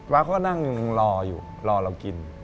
เขาก็นั่งรออยู่รอเรากิน